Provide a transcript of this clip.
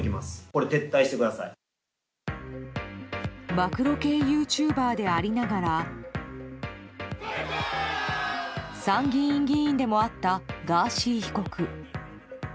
暴露系ユーチューバーでありながら参議院議員でもあったガーシー被告。